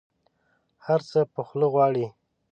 هر څه په خوله غواړي.